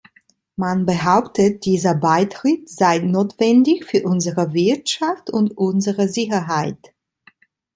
Man behauptet, dieser Beitritt sei notwendig für unsere Wirtschaft und unsere Sicherheit.